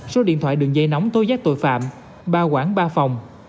số điện thoại đường dây nóng tối giác tội phạm ba quảng ba phòng